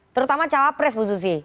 terutama cawapres bu susi